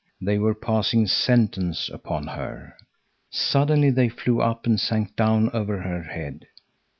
They were passing sentence upon her. Suddenly they flew up and sank down over her head.